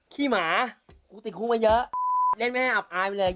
ขี้หมากูติดคุกมาเยอะเล่นไม่ให้อับอายไปเลย